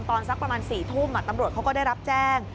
สักประมาณ๔ทุ่มตำรวจเขาก็ได้รับแจ้ง